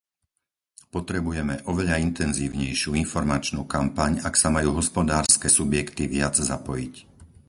Potrebujeme oveľa intenzívnejšiu informačnú kampaň, ak sa majú hospodárske subjekty viac zapojiť.